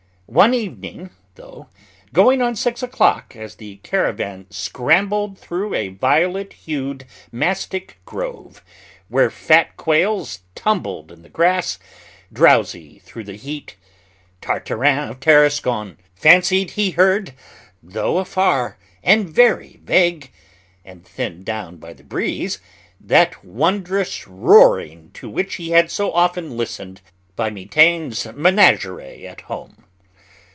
One evening, though, going on six o'clock, as the caravan scrambled through a violet hued mastic grove, where fat quails tumbled about in the grass, drowsy through the heat, Tartarin of Tarascon fancied he heard though afar and very vague, and thinned down by the breeze that wondrous roaring to which he had so often listened by Mitaine's Menagerie at home.